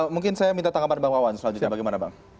mungkin saya minta tanggapan bang wawan selanjutnya bagaimana bang